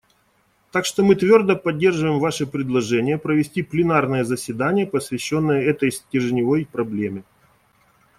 Так что мы твердо поддерживаем ваше предложение провести пленарное заседание, посвященное этой стержневой проблеме.